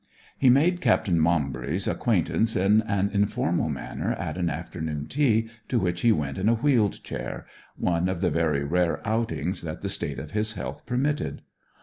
He made Captain Maumbry's acquaintance in an informal manner at an afternoon tea to which he went in a wheeled chair one of the very rare outings that the state of his health permitted.